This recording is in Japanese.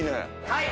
はい。